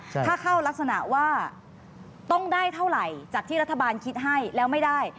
ถ้าเข้ารักษณะว่าต้องได้เท่าไหร่จากที่รัฐบาลคิดให้แล้วไม่ได้